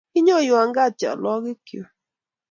kiinyoiwa gat chalwokigkyu